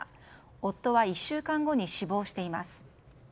夫は１週間後に死亡しています。